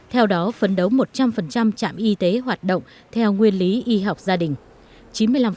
theo đó phấn đấu một trăm linh trạm y tế hoạt động theo nguyên lý y học gia đình